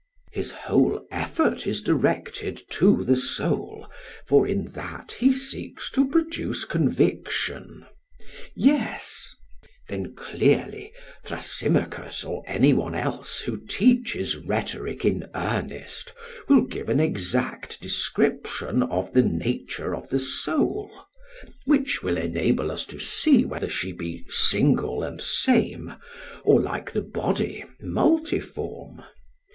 SOCRATES: His whole effort is directed to the soul; for in that he seeks to produce conviction. PHAEDRUS: Yes. SOCRATES: Then clearly, Thrasymachus or any one else who teaches rhetoric in earnest will give an exact description of the nature of the soul; which will enable us to see whether she be single and same, or, like the body, multiform.